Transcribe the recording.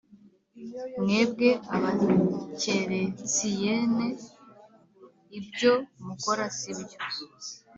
mwebwe abakeretsiyene ibyo mukora sibyo